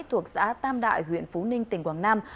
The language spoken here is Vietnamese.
thuộc xã tam đại huyện phú ninh tỉnh quảng nam